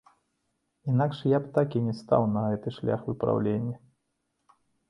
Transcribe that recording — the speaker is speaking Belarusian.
Інакш я б так і не стаў на гэты шлях выпраўлення.